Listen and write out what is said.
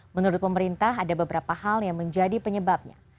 menurut pemerintah ada beberapa hal yang menjadi penyebabnya